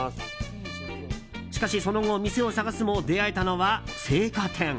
しかしその後、店を探すも出会えたのは青果店。